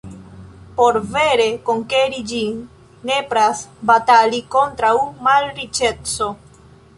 Por vere konkeri ĝin, nepras batali kontraŭ malriĉeco.